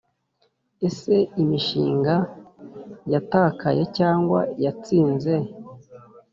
ese imishinga yatakaye cyangwa yatsinze,